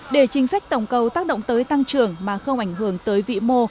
để chính sách tổng cầu tác động tới tăng trưởng mà không ảnh hưởng tới vị mô